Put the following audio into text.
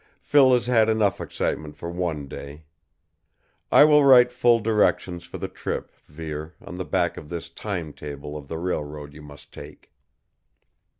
Phil has had enough excitement for one day. I will write full directions for the trip, Vere, on the back of this timetable of the railroad you must take."